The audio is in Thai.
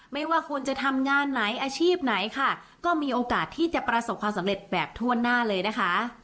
ไม่ว่าคุณจะทำงานไหนอาชีพไหนค่ะก็มีโอกาสที่จะประสบความสำเร็จแบบทั่วหน้าเลยนะคะ